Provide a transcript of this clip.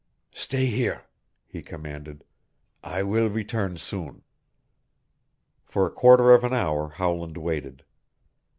"Stay here," he commanded. "I will return soon." For a quarter of an hour Howland waited.